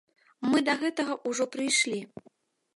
Мы да гэтага ўжо прыйшлі.